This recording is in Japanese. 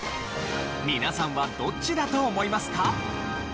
皆さんはどっちだと思いますか？